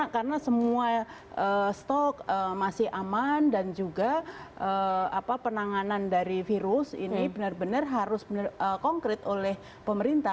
karena semua stok masih aman dan juga penanganan dari virus ini benar benar harus konkret oleh pemerintah